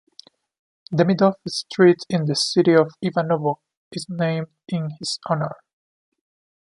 Demidov Street in the city of Ivanovo is named in his honor.